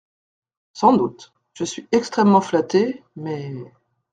Sans doute… je suis extrêmement flatté, mais…